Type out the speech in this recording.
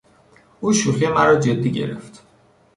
او شوخی مرا جدی گرفت.